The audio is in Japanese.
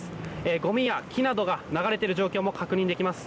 ゴミや木などが流れている状況も確認できます。